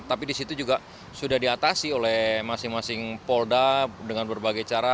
tapi di situ juga sudah diatasi oleh masing masing polda dengan berbagai cara